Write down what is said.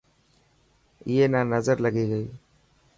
اي نا نظر لگي گئي.